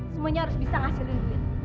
semuanya harus bisa ngasilin duit